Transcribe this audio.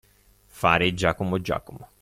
Fare giacomo giacomo.